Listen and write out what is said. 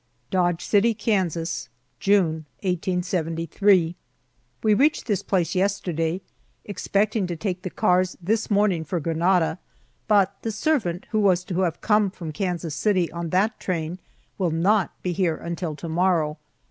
DODGE CITY, KANSAS, June, 1873. WE reached this place yesterday, expecting to take the cars this morning for Granada, but the servant who was to have come from Kansas City on that train will not be here until to morrow.